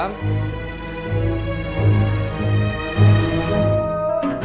tidak ada yang bisa